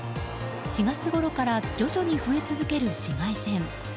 ４月ごろから徐々に増え続ける紫外線。